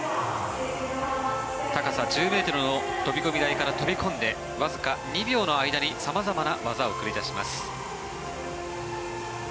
高さ１０ｍの飛込台から飛び込んでわずか２秒の間に様々な技を繰り出します。